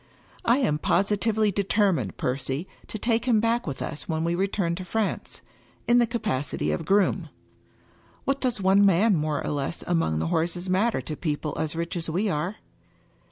I am positively determined, Percy, to take him back with us when we return to France, in the ca pacity of groom. What does one man more or less among the horses matter to people as rich as we are?"